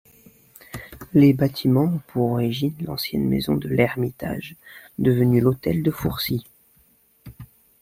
Les bâtiments ont pour origine l'ancienne maison de l'Hermitage, devenue l'hôtel de Fourcy.